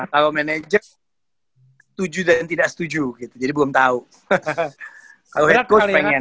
kalau manajek setuju dan tidak setuju gitu jadi belum tahu kalau head close pengen